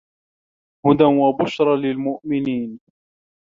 هُدًى وَبُشرى لِلمُؤمِنينَ